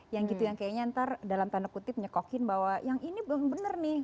yang gitu yang kayaknya ntar dalam tanda kutip menyekokin bahwa yang ini benar nih